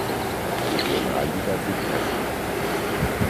Regionalliga Südost.